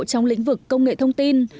trong lĩnh vực công nghệ thông tin